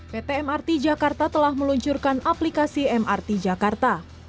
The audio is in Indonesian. pt mrt jakarta telah meluncurkan aplikasi mrt jakarta